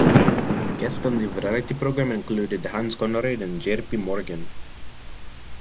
Guests on the variety program included Hans Conried and Jaye P. Morgan.